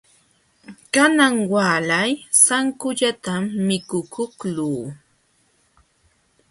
Kanan waalay sankullatam mikukuqluu.